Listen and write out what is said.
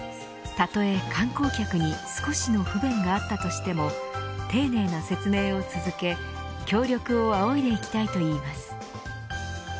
たとえ観光客に少しの不便があったとしても丁寧な説明を続け協力を仰いでいきたいと言います。